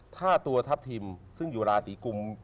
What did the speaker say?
ถ้าตัวทัพทิมซึ่งอยู่ราศีกุม